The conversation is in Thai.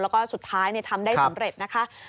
แล้วก็สุดท้ายทำได้สำเร็จนะคะ